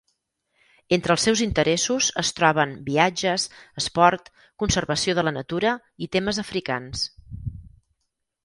Entre els seus interessos es troben viatges, esport, conservació de la natura i temes africans.